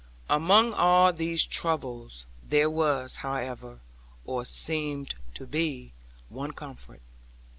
Among all these troubles, there was, however, or seemed to be, one comfort.